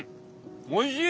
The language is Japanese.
おいしい！